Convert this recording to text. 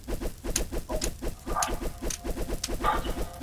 华盛顿联队是美国职业足球大联盟球队。